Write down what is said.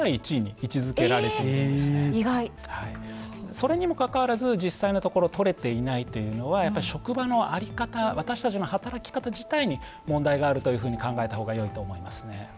それにもかかわらず実際のところ取れていないというのはやっぱり職場の在り方私たちの働き方自体に問題があるというふうに考えた方がよいと思いますね。